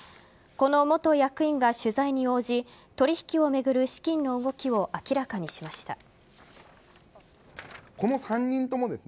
この元役員が取材に応じ取引を巡る資金の動きを明らかにしました。